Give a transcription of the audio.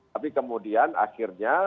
tapi kemudian akhirnya